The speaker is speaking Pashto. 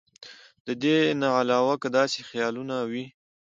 د دې نه علاوه کۀ داسې خيالونه وي